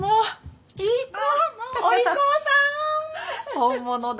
本物だ。